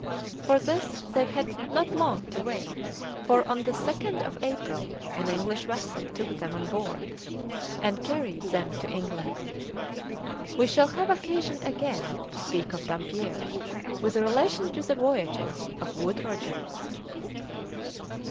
For this they had not long to wait, for on the 2nd of April an English vessel took them on board and carried them to England. We shall have occasion again to speak of Dampier with relation to the voyages of Wood Rodgers.